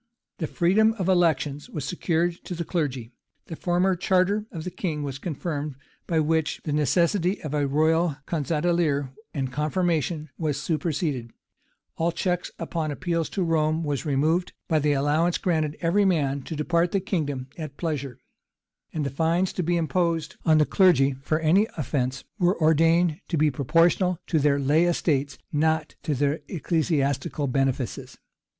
The freedom of elections was secured to the clergy: the former charter of the king was confirmed, by which the necessity of a royal conge d'élire and confirmation was superseded: all check upon appeals to Rome was removed, by the allowance granted every man to depart the kingdom at pleasure: and the fines to be imposed on the clergy, for any offence, were ordained to be proportional to their lay estates, not to their ecclesiastical benefices.